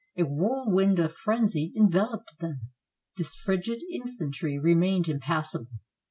A whirlwind of frenzy enveloped them. This frigid in 372 WATERLOO fantry remained impassible.